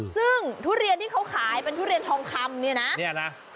ซึ่งทุเรียนที่เขาขายเป็นทุเรียนทองคำเนี่ยนะเนี่ยนะ